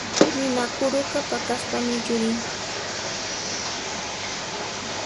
Ninakuruqa paqaspami yurin.